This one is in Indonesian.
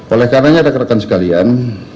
oleh karena rekan rekan sekalian